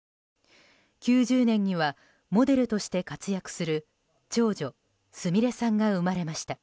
９０年にはモデルとして活躍する長女すみれさんが生まれました。